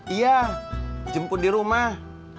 iya jemput di rumah